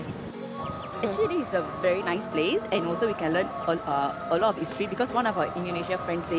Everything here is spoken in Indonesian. sebenarnya ini adalah tempat yang sangat bagus dan kita juga bisa belajar banyak sejarah karena ini adalah tempat indonesia yang paling baik